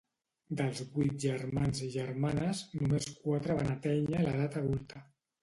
Dels vuit germans i germanes, només quatre van atènyer l'edat adulta.